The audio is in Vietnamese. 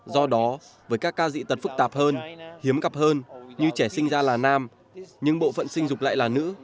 do đó với các ca dị tật phức tạp hơn hiếm gặp hơn như trẻ sinh ra là nam nhưng bộ phận sinh dục lại là nữ